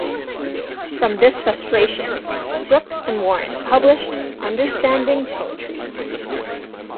From this frustration, Brooks and Warren published "Understanding Poetry".